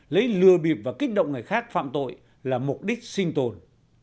lấy lừa bịp và kích động người khác phạm tội là mục đích sinh tồn